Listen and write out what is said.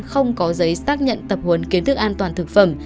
không có giấy xác nhận tập huấn kiến thức an toàn thực phẩm